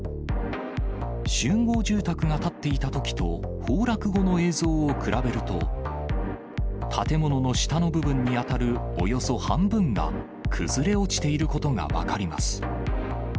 集合住宅が建っていたときと、崩落後の映像を比べると、建物の下の部分に当たるおよそ半分が崩れ落ちていることが分かります。